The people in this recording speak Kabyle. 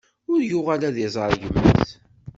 Ur yuɣal ad iẓer gma-s.